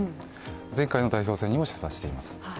前回の代表戦にも出馬しています。